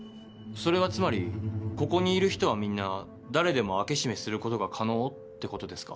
それはつまりここにいる人はみんな誰でも開け閉めすることが可能ってことですか？